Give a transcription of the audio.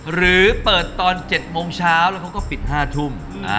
หรือเปิดตอน๗โมงเช้าแล้วเขาก็ปิด๕ทุ่ม